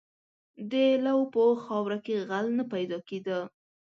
• د لو په خاوره کې غل نه پیدا کېده.